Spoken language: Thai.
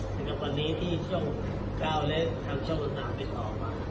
ทำไมวันนี้ที่จะกล้าวและหอช่องรถหนาออกไปต่อมา